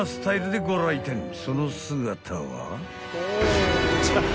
［その姿は］